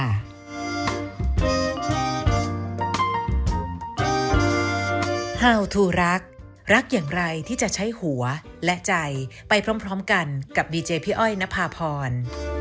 โปรดติดตามตอนต่อไป